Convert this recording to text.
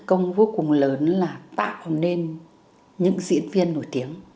công vô cùng lớn là tạo nên những diễn viên nổi tiếng